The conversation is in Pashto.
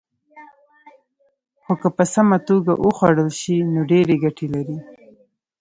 خو که په سمه توګه وخوړل شي، نو ډېرې ګټې لري.